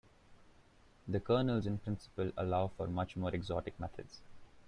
The kernels in principle allow for much more exotic methods.